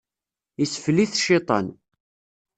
Isfel-it cciṭan.